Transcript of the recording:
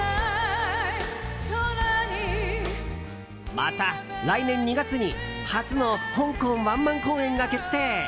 また来年２月に初の香港ワンマン公演が決定。